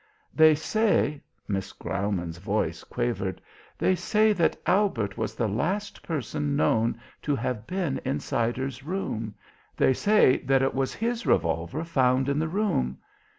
"They say" Miss Graumann's voice quavered "they say that Albert was the last person known to have been in Siders' room; they say that it was his revolver, found in the room.